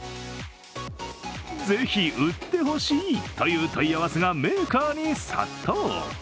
ぜひ売ってほしいという問い合わせがメーカーに殺到。